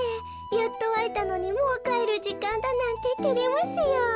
やっとあえたのにもうかえるじかんだなんててれますよ。